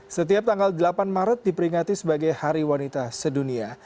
setiap tanggal delapan maret diperingati sebagai hari wanita sedunia